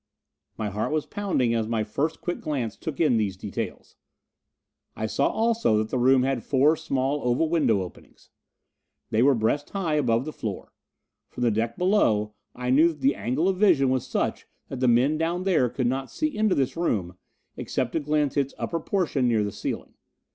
My heart was pounding as my first quick glance took in these details. I saw also that the room had four small oval window openings. They were breast high above the floor; from the deck below I knew that the angle of vision was such that the men down there could not see into this room except to glimpse its upper portion near the ceiling.